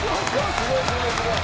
すごいすごいすごい。